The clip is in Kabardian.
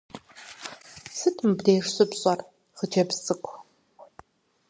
Сыт м ыбдеж щыпщӀэр, хъыджэбз цӀыкӀу?